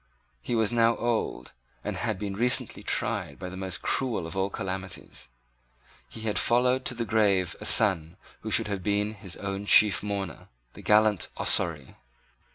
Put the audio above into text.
He was now old, and had been recently tried by the most cruel of all calamities. He had followed to the grave a son who should have been his own chief mourner, the gallant Ossory.